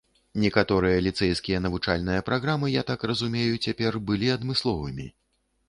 Некаторыя ліцэйскія навучальныя праграмы, я так разумею цяпер, былі адмысловымі.